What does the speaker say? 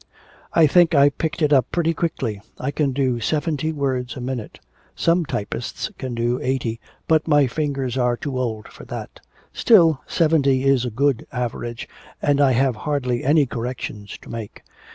'I think I picked it up pretty quickly. I can do seventy words a minute. Some typists can do eighty, but my fingers are too old for that. Still, seventy is a good average, and I have hardly any corrections to make.